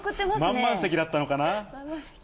満満席だったのかな。